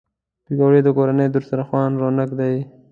پکورې د کورني دسترخوان رونق دي